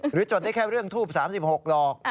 จดได้แค่เรื่องทูบ๓๖ดอก